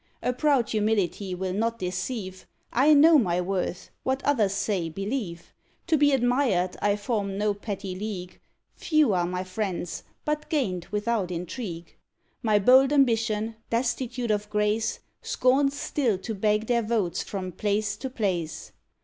A proud humility will not deceive; I know my worth; what others say, believe. To be admired I form no petty league; Few are my friends, but gain'd without intrigue. My bold ambition, destitute of grace, Scorns still to beg their votes from place to place.